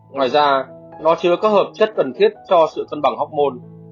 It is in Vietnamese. ngoài ra nó chứa các hợp chất cần thiết cho sự cân bằng học môn